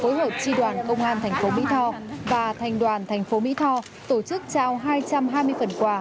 phối hợp tri đoàn công an thành phố mỹ tho và thành đoàn thành phố mỹ tho tổ chức trao hai trăm hai mươi phần quà